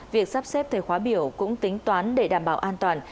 việc sắp xếp thời khóa biểu cũng tính toán để đảm bảo an toàn